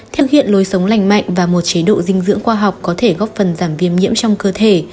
thực hiện lối sống lành mạnh và một chế độ dinh dưỡng khoa học có thể góp phần giảm viêm nhiễm trong cơ thể